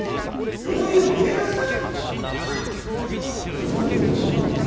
病院を逃げ出した！？